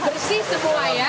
jadi bersih sebuah ya